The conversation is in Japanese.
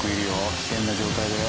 危険な状態だよ。